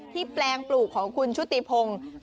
แปลงปลูกของคุณชุติพงศ์